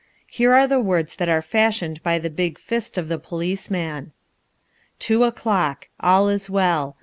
Here are the words that are fashioned by the big fist of the policeman: "Two o'clock. All is well.